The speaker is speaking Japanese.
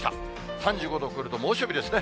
３５度を超えると猛暑日ですね。